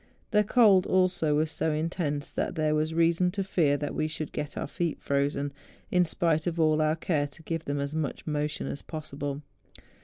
The cold also was so intense, that there was reason to fear that we should get our feet frozen, in spite of all our care to give them as much motion as possible.